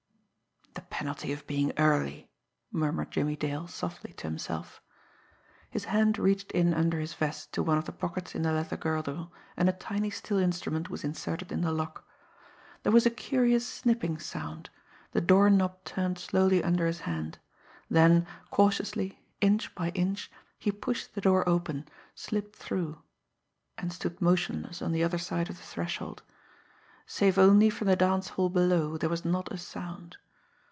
"The penalty of being early!" murmured Jimmie Dale softly to himself. His hand reached in under his vest to one of the pockets in the leather girdle, and a tiny steel instrument was inserted in the lock. There was a curious snipping sound, the doorknob turned slowly under his hand; then cautiously, inch by inch, he pushed the door open, slipped through and stood motionless on the other side of the threshold. Save only from the dance hall below, there was not a sound.